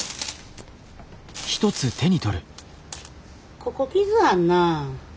ここ傷あんな。